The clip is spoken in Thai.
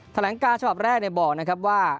แถลงการฉบับแรกบอกนะครับว่า